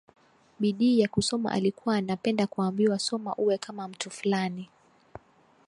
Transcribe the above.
Bidii ya kusoma alikuwa anapenda kuambiwa soma uwe kama mtu fulani